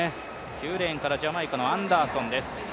９レーンからジャマイカのアンダーソンです。